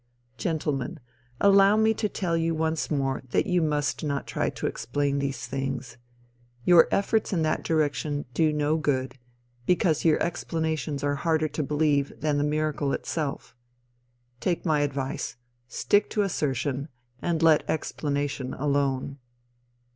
Gentlemen, allow me to tell you once more that you must not try to explain these things. Your efforts in that direction do no good, because your explanations are harder to believe than the miracle itself. Take my advice, stick to assertion, and let explanation alone.